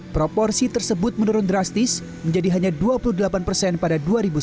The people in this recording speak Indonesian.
proporsi tersebut menurun drastis menjadi hanya dua puluh delapan persen pada dua ribu sembilan belas